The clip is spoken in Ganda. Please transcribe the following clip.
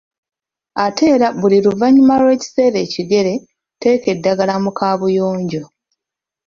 Ate era buli luvanyuma lw‘ekiseera ekigere, teeka eddagala mu kabuyonjo.